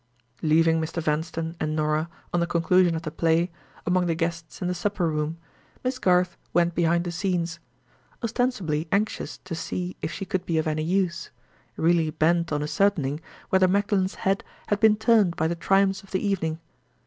Leaving Mr. Vanstone and Norah, on the conclusion of the play, among the guests in the supper room, Miss Garth went behind the scenes; ostensibly anxious to see if she could be of any use; really bent on ascertaining whether Magdalen's head had been turned by the triumphs of the evening.